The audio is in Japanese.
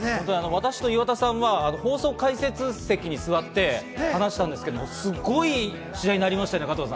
私と岩田さんは放送解説席に座っていたんですけど、すごい試合になりましたね。